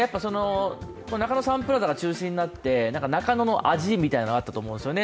中野サンプラザが中心になって、中野の味みたいなのがあったと思うんですね。